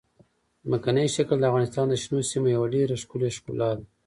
ځمکنی شکل د افغانستان د شنو سیمو یوه ډېره ښکلې ښکلا ده.